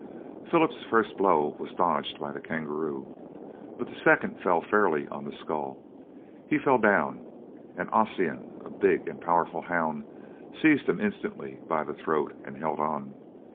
Philip's first blow was dodged by the kangaroo, but the second fell fairly on the skull; he fell down, and Ossian, a big and powerful hound, seized him instantly by the throat and held on.